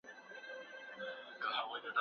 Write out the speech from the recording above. بریالیو کسانو ډېر کتابونه لوستلي دي.